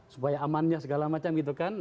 supaya amannya segala macam gitu kan